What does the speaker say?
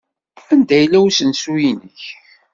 Anda yella usensu-nnek?